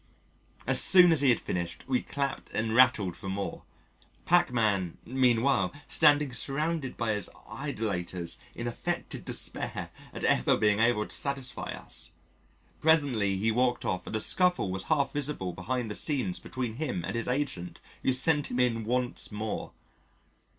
As soon as he had finished, we clapped and rattled for more, Pachmann meanwhile standing surrounded by his idolaters in affected despair at ever being able to satisfy us. Presently he walked off and a scuffle was half visible behind the scenes between him and his agent who sent him in once more.